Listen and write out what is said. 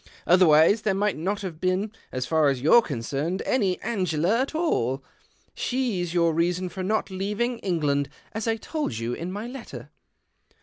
Otherwise there might not have been, as far as you're concerned, any Angela at all. She's your reason for not leaving England, as I told you in my letter."